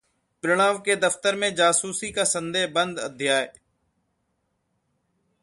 'प्रणव के दफ्तर में जासूसी का संदेह बंद अध्याय